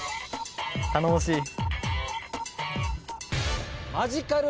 頼もしい。